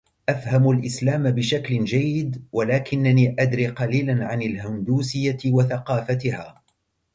أفهم الإسلام بشكل جيد ولكنني أدري قليلاً عن الهندوسية وثقافتها.